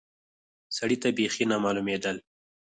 سړي ته بيخي نه معلومېدل.